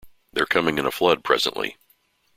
They’re coming in a flood presently.